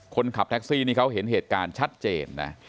คนขับแท็กซี่นี่เขาเห็นเหตุการณ์ชัดเจนนะ